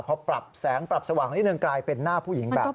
พอปรับแสงปรับสว่างนิดนึงกลายเป็นหน้าผู้หญิงแบบนี้